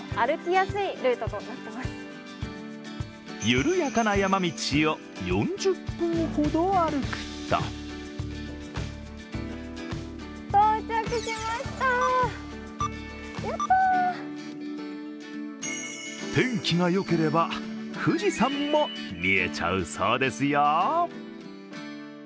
緩やかな山道を４０分ほど歩くと天気がよければ、富士山も見えちゃうそうですよ。